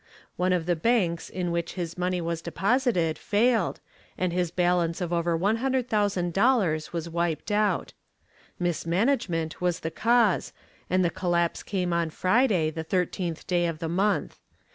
One of the banks in which his money was deposited failed and his balance of over $100,000 was wiped out. Mismanagement was the cause and the collapse came on Friday, the thirteenth day of the month.